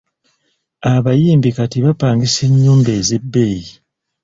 Abayimbi kati bapangisa ennyumba ez’ebbeeyi.